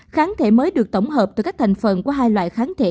kháng thể mới được tổng hợp từ các thành phần của hai loại kháng thể